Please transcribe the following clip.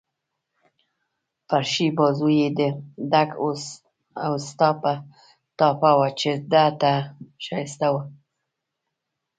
پر ښي بازو يې د ډک اوسټا ټاپه وه، چې ده ته ښایسته وه.